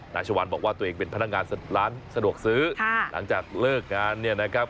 ชวานบอกว่าตัวเองเป็นพนักงานร้านสะดวกซื้อหลังจากเลิกงานเนี่ยนะครับ